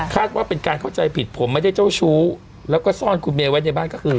ว่าเป็นการเข้าใจผิดผมไม่ได้เจ้าชู้แล้วก็ซ่อนคุณเมย์ไว้ในบ้านก็คือ